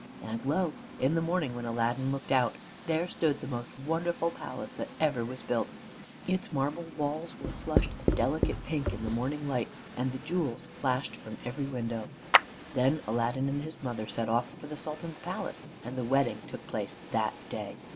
And lo! in the morning when Aladdin looked out, there stood the most wonderful palace that ever was built. Its marble walls were flushed a delicate pink in the morning light, and the jewels flashed from every window. Then Aladdin and his mother set off for the Sultan's palace, and the wedding took place that day.